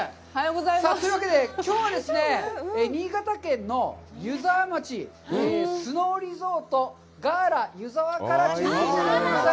というわけで、きょうはですね、新潟県の湯沢町、スノーリゾート、ガーラ湯沢からの中継でございます。